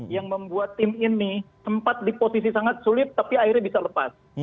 yang membuat tim ini sempat di posisi sangat sulit tapi akhirnya bisa lepas